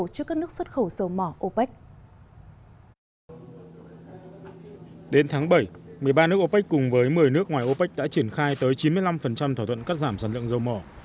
các nước opec cùng với một mươi nước ngoài opec đã triển khai tới chín mươi năm thỏa thuận cắt giảm sản lượng dầu mỏ